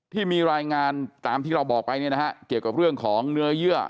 ที่มีรายงานตามที่เราบอกไปเนี่ยนะฮะเกี่ยวกับเรื่องของเนื้อเยื่อ